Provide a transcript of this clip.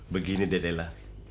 begini deh lela